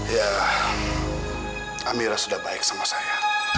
ya kami sudah baik sama saya